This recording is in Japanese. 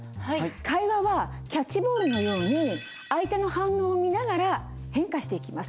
会話はキャッチボールのように相手の反応を見ながら変化していきます。